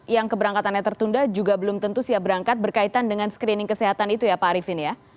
yang keberangkatannya tertunda juga belum tentu siap berangkat berkaitan dengan screening kesehatan itu ya pak arifin ya